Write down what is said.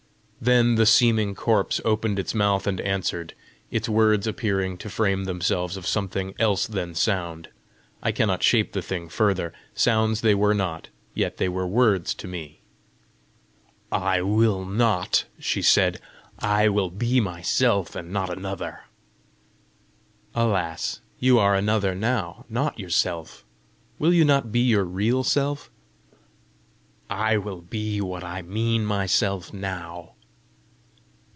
Then the seeming corpse opened its mouth and answered, its words appearing to frame themselves of something else than sound. I cannot shape the thing further: sounds they were not, yet they were words to me. "I will not," she said. "I will be myself and not another!" "Alas, you are another now, not yourself! Will you not be your real self?" "I will be what I mean myself now."